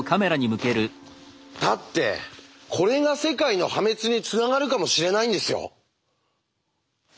だってこれが世界の破滅につながるかもしれないんですよ？